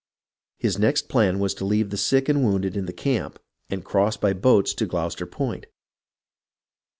His next plan was to leave the sick and wounded in the camp and cross by boats to Gloucester Point.